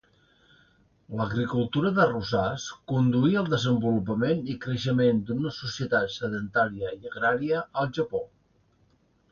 L'agricultura d'arrossars conduí al desenvolupament i creixement d'una societat sedentària i agrària al Japó.